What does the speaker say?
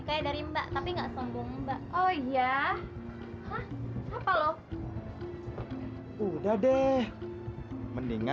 kanaya sibuk kuliah sama kerjaannya